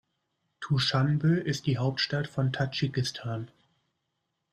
Duschanbe ist die Hauptstadt von Tadschikistan.